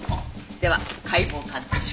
では解剖鑑定書。